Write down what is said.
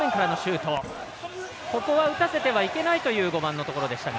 ここは打たせてはいけないという５番のところでしたが。